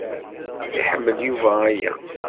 Iḥemmel Yuba aya.